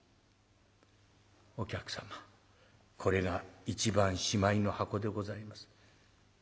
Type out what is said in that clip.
お客様これが一番しまいの箱でございます」。